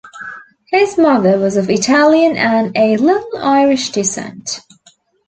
His mother was of Italian, and "a little Irish", descent.